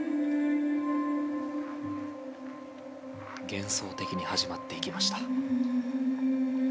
幻想的に始まっていきました。